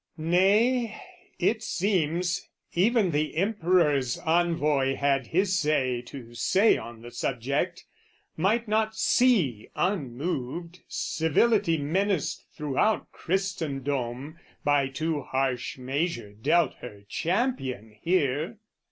Nay, it seems, Even the Emperor's Envoy had his say To say on the subject; might not see, unmoved, Civility menaced throughout Christendom By too harsh measure dealt her champion here.